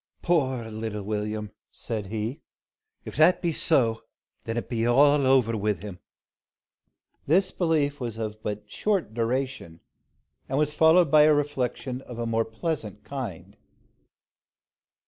"Poor little Will'm!" said he. "If that be so, then it be all over wi' him." This belief was but of short duration, and was followed by a reflection of a more pleasant kind.